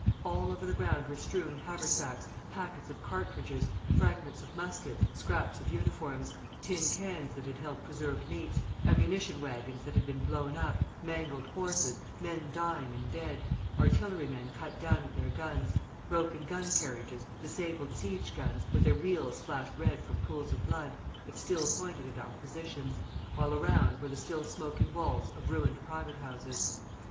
All over the ground were strewn haversacks, packets of cartridges, fragments of muskets, scraps of uniforms, tin cans that had held preserved meats, ammunition wagons that had been blown up, mangled horses, men dying and dead, artillerymen cut down at their guns, broken gun carriages, disabled siege guns, with their wheels splashed red from pools of blood, but still pointed at our positions, while around were the still smoking walls of ruined private houses.